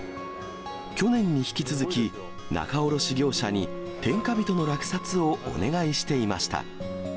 去年に引き続き、仲卸業者に天下人の落札をお願いしていました。